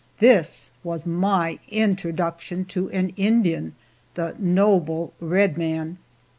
This was my introduction to an Indian the noble red man!